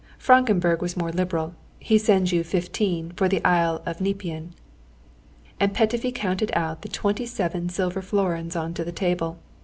Frankenburg was more liberal. He sends you fifteen for 'The Island Nepean.'" And Petöfi counted out the twenty seven silver florins on to the table.